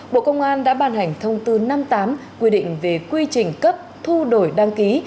bộ công an đã ban hành thông tư năm mươi tám quy định về quy trình cấp thu đổi đăng ký